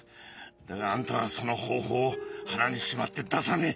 だがあんたはその方法を腹にしまって出さねえ。